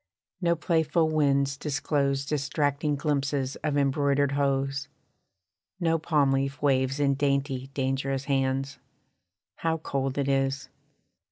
No playful winds disclose Distracting glimpses of embroidered hose: No palm leaf waves in dainty, dangerous hands. How cold it is!